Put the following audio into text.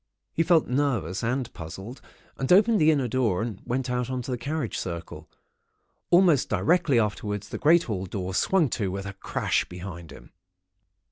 "He felt nervous and puzzled, and opened the inner door and went out on to the carriage circle. Almost directly afterwards, the great hall door swung to with a crash behind him.